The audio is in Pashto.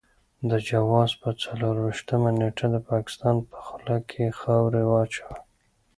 د جوزا په څلور وېشتمه نېټه د پاکستان په خوله کې خاورې واچوئ.